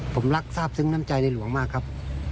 ผมรักทราบซึ้งน้ำใจในหลวงมากครับ